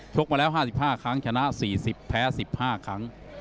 กมาแล้ว๕๕ครั้งชนะ๔๐แพ้๑๕ครั้ง